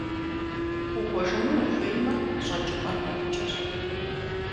Укӏуэжыну ухуеймэ, щӏэкӏыпӏэр мобыкӏэщ.